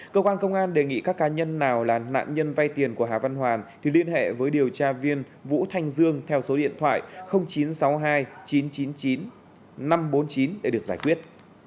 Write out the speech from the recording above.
cơ quan công an đề nghị các cá nhân nào là nạn nhân vay tiền của hà văn hoàn thì liên hệ với điều tra viên vũ thanh dương theo số điện thoại chín trăm sáu mươi hai chín trăm chín mươi chín năm trăm bốn mươi chín để được giải quyết